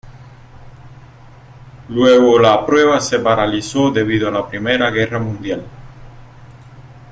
Luego la prueba se paralizó debido a la Primera Guerra Mundial.